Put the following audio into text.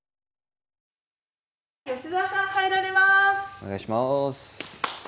お願いします。